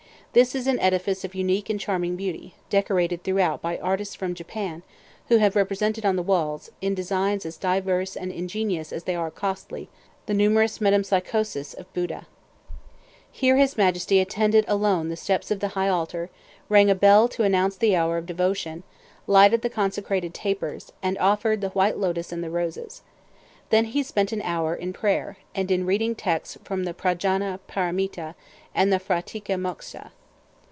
This is an edifice of unique and charming beauty, decorated throughout by artists from Japan, who have represented on the walls, in designs as diverse and ingenious as they are costly, the numerous metempsychoses of Buddha. Here his Majesty ascended alone the steps of the altar, rang a bell to announce the hour of devotion, lighted the consecrated tapers, and offered the white lotos and the roses. Then he spent an hour in prayer, and in reading texts from the P'ra jana Para mita and the P'hra ti Mok sha.